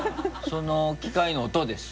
その機械の音です。